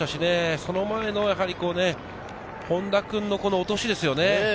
その前の本間君の落としですよね。